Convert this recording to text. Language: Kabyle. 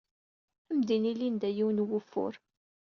Ad am-d-tini Linda yiwen n wufur.